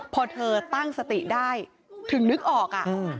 พอเธอตั้งสติได้ถึงนึกออก